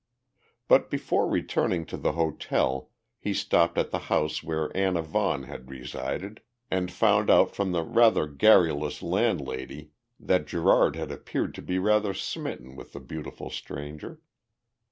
But before returning to the hotel he stopped at the house where Anna Vaughan had resided and found out from the rather garrulous landlady that Gerard had appeared to be rather smitten with the beautiful stranger.